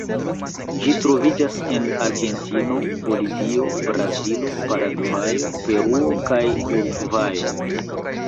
Ĝi troviĝas en Argentino, Bolivio, Brazilo, Paragvajo, Peruo kaj Urugvajo.